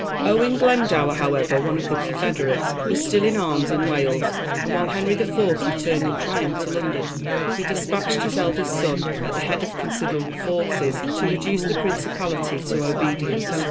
Owen Glendower, however, one of the confederates, was still in arms in Wales; and while Henry IV. returned in triumph to London, he despatched his eldest son, at the head of considerable forces, to reduce the Principality to obedience.